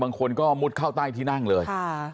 บางคนก็มุดเข้าใต้ที่นั่งเลย